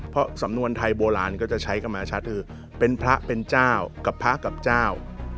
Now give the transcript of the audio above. เพราะสำนวนไทยโบราณก็จะใช้กันมาชัดคือเป็นพระเป็นเจ้ากับพระกับเจ้า